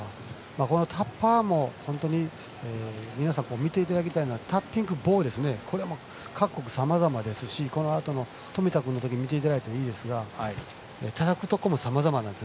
タッパーも皆さん、見ていただきたいのはタッピング棒も各国さまざまですしこのあとの富田君も見ていただいてもいいですがたたくところもさまざまなんです。